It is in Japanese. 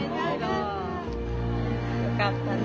よかったね。